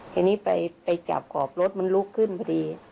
ทีนี้ไปจับขอบรถมันลุกขึ้นพอดี